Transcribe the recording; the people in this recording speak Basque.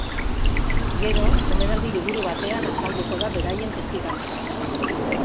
Gero, omenaldi-liburu batean azalduko da beraien testigantza.